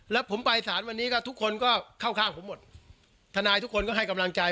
แล้วผมไปสารวันนี้ก็ทุกคนก็เข้าข้างผมหมดทนายทุกคนก็ให้กำลังใจ